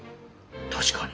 確かに。